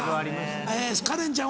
えカレンちゃん